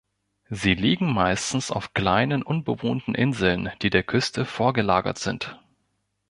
Sie liegen meistens auf kleinen unbewohnten Inseln, die der Küste vorgelagert sind.